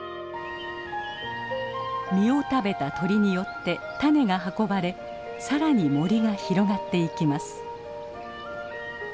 実を食べた鳥によって種が運ばれ更に森が広がっていきます。